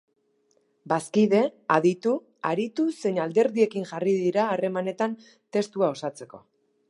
Bazkide, aditu, aritu zein alderdiekin jarri dira harremanetan testua osatzeko.